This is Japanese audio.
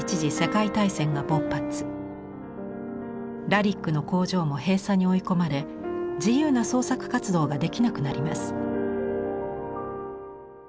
ラリックの工場も閉鎖に追い込まれ自由な創作活動ができなくなります。